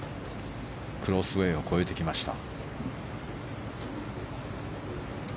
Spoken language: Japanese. クロスウェーを越えてきました。